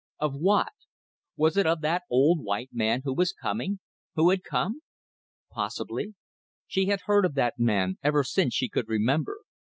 Of what? Was it of that old white man who was coming who had come? Possibly. She had heard of that man ever since she could remember.